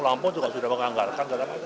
lampung juga sudah menganggarkan